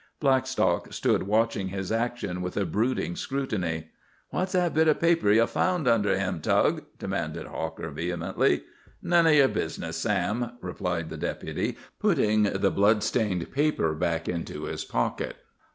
Blackstock stood watching his action with a brooding scrutiny. "What's that bit o' paper ye found under him, Tug?" demanded Hawker vehemently. "None o' yer business, Sam," replied the deputy, putting the blood stained paper back into his pocket.